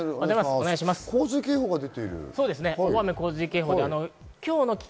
洪水警報が出ている。